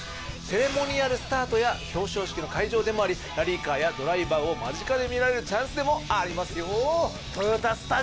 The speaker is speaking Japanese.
セレモニアルスタートや表彰式の会場でもありラリーカーやドライバーを間近で見られるチャンスでもありますよ。